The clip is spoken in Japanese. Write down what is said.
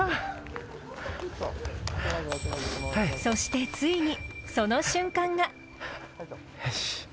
そして、ついにその瞬間が。